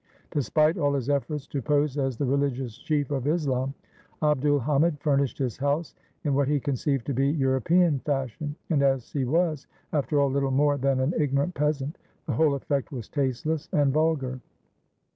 Despite all his efforts to pose as the reUgious chief of Islam, Abd ul Hamid furnished his house in what he conceived to be Eu ropean fashion; and as he was, after all, little more than an ignorant peasant, the whole effect was tasteless and vulgar.